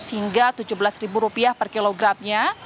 hingga rp tujuh belas per kilogramnya